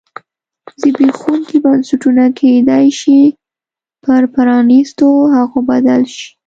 زبېښونکي بنسټونه کېدای شي پر پرانیستو هغو بدل شي.